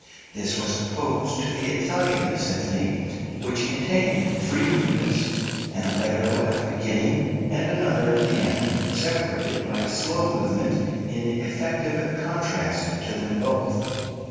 This was opposed to the Italian symphony, which contained three movements: an allegro at the beginning and another at the end, separated by a slow movement in effective contrast to them both.